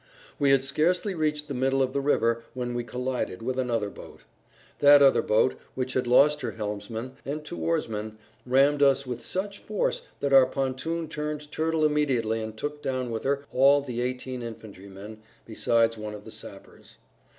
We had scarcely reached the middle of the river when we collided with another boat. That other boat, which had lost her helmsman, and two oarsmen, rammed[Pg 48] us with such force that our pontoon turned turtle immediately and took down with her all the eighteen infantrymen besides one of the sappers.